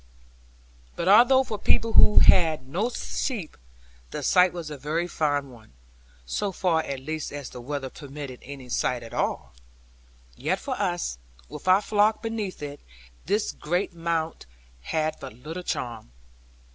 But although for people who had no sheep, the sight was a very fine one (so far at least as the weather permitted any sight at all); yet for us, with our flock beneath it, this great mount had but little charm.